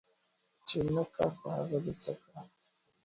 چي نه کار په هغه دي څه کار.